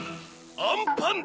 アンパンだ！